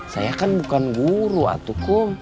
saya kan bukan guru atauku